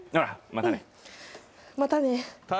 またね